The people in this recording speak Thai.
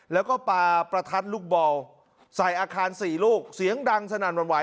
แล้วก็ปลาประทัดลูกบอลใส่อาคาร๔ลูกเสียงดังสนั่นวันไหว